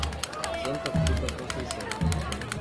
Santa Cruz da Conceição